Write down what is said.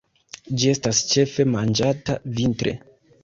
Ĝi estas ĉefe manĝata vintre.